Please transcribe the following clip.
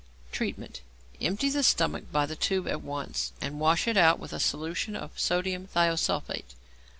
Treatment. Empty the stomach by the tube at once, and wash it out with a solution of sodium thiosulphate.